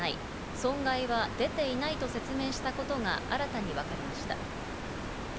損害は出ていないと説明したことが新たに分かりました。